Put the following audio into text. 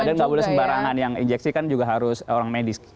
dan gak boleh sembarangan yang injeksi kan juga harus orang medis